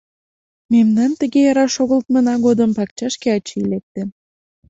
Мемнан тыге яра шогылтмына годым пакчашке ачий лекте...